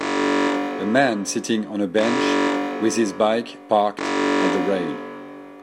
A man sitting on a bench with his bike parked at the rail.